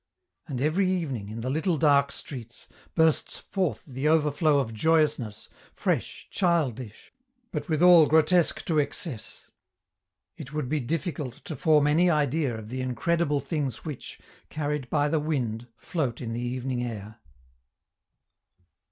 And every evening, in the little dark streets, bursts forth the overflow of joyousness, fresh, childish, but withal grotesque to excess. It would be difficult to form any idea of the incredible things which, carried by the wind, float in the evening air.